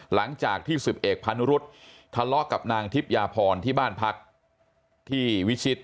หลังจากที่๑๐เอกพานุรุษทะเลาะกับนางทิพยาพรที่บ้านพักที่วิชิต